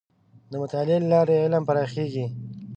د مطالعې له لارې علم پراخېږي.